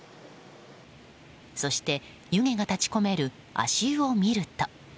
そして、湯気が立ち込める足湯を見ると。